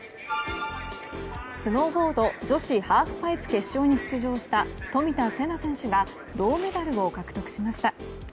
スノーボード女子ハーフパイプ決勝に出場した冨田せな選手が銅メダルを獲得しました。